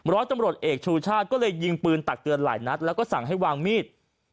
ร้อยตำรวจเอกชูชาติก็เลยยิงปืนตักเตือนหลายนัดแล้วก็สั่งให้วางมีด